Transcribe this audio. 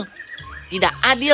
ini tidak adil